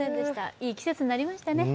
いい季節になりましたね。